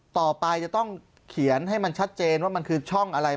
ต่อไปจะต้องเขียนให้มันชัดเจนว่ามันคือช่องอะไร